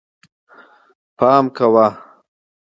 پام کوه